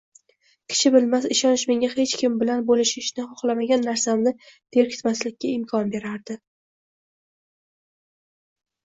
Kishi bilmas ishonch menga hech kim bilan bo‘lishishni xohlamagan narsamni berkitmaslikka imkon berardi.